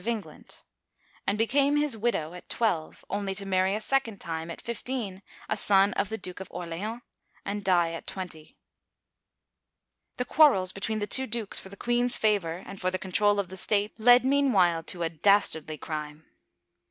of England,^ and became his widow at twelve, only to marry a second time, at fifteen, a son of the Duke of Orleans, and die at twenty ! The quarrels between the two dukes for the queen's favor and for the control of the state led meanwhile to a das tardly crime.